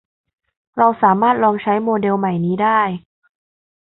เราสามารถลองใช้โมเดลใหม่นี้ได้